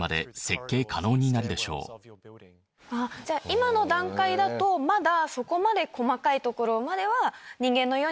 今の段階だとまだそこまで細かいところまでは。